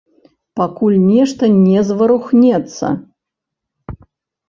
Пакуль нешта не зварухнецца.